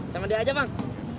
sama dia aja bang